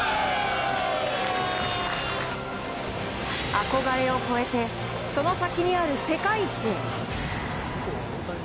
憧れを超えてその先にある世界一へ。